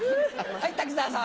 はい滝沢さん。